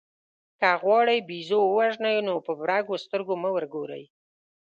که غواړئ بېزو ووژنئ نو په برګو سترګو مه ورګورئ.